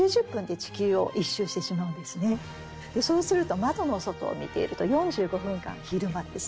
そうすると窓の外を見ていると４５分間昼間です。